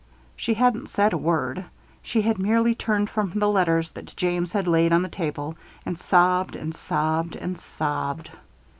She hadn't said a word. She had merely turned from the letters that James had laid on the table, and sobbed and sobbed and sobbed.